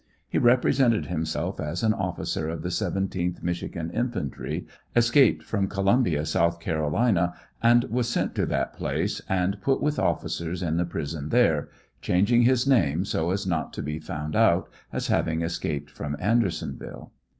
He represented himself as an officer of the 17th Michigan Infantry, escaped from Columbia, S. C, and was sent to that place and put with officers in the prison there, changing his name so as not to be found out as having escaped from Andersonville.